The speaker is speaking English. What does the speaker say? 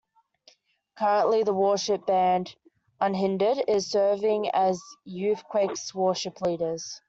Currently, the worship band Unhindered is serving as YouthQuake's worship leaders.